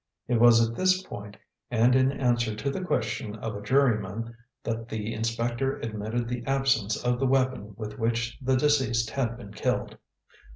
It was at this point, and in answer to the question of a juryman, that the inspector admitted the absence of the weapon with which the deceased had been killed.